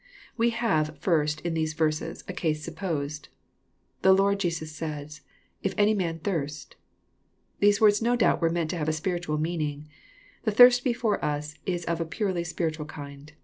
We have, first, in these verses, a case supposed. The Lord Jesus says, " If any man thirst." These words no doubt were meant to have a spiritual meaning. The thirst before us is of a purely spiritual kind.